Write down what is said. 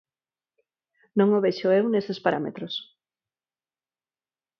Non o vexo eu neses parámetros.